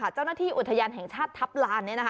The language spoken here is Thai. เจ้าหน้าที่อุทยานแห่งชาติทัพลาน